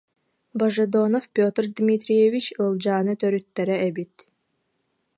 Божедонов Петр Дмитриевич Ылдьаана төрүттэрэ эбит